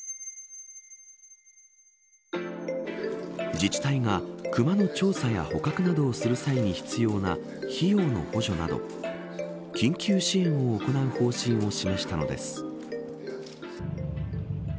自治体が熊の調査や捕獲などをする際に必要な費用の補助など緊急支援を行う方針を示したのです。